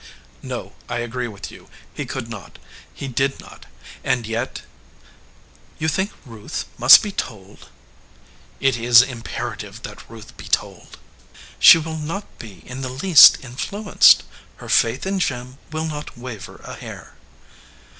"No ; I agree with you. He could not. He did not. And yet " "You think Ruth must be told ?" "It is imperative that Ruth be told." "She will not be in the least influenced. Her faith in Jim will not waver a hair."